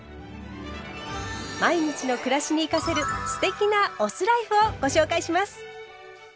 毎日の暮らしに生かせる“酢テキ”なお酢ライフをご紹介します。